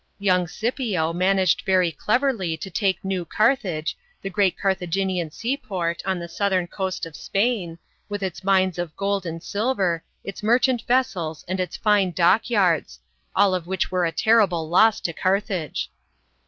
Young Scipio managed very cleverly 170 BATTLE OF ZAMA. [B.C. 202. to take New Carthage, the great Carthaginian seaport on the southern coast of Spain, with its mines of gold and silver, its merchant vessels and its fine dockyards, all of which were a terrible loss to Carthage.